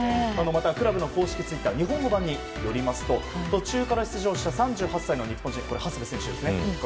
また、クラブの公式ツイッターの日本語版によりますと途中から出場した３８歳の日本人長谷部選手ですね。